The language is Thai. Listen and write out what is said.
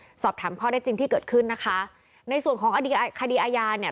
สอบถามข้อได้จริงที่เกิดขึ้นนะคะในส่วนของคดีอาญาเนี่ย